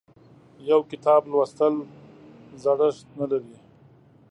یو کتاب لوستل زړښت نه لري.